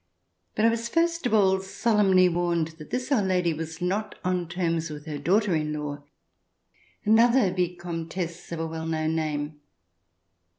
But I was first of all solemnly warned that this old lady was not on terms with her daughter in law, another Vicomtesse of a well known name.